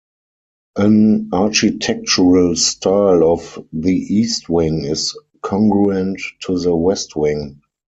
An architectural style of the East Wing is congruent to the West Wing.